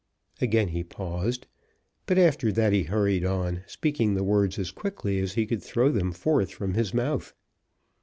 Again he paused, but after that he hurried on, speaking the words as quickly as he could throw them forth from his mouth.